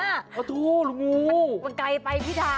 อ่ะทูลงูมันไกลไปพี่เท้า